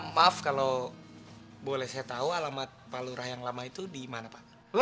maaf kalau boleh saya tahu alamat pak lurah yang lama itu di mana pak